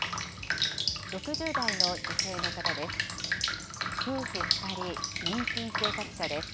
６０代の女性の方です。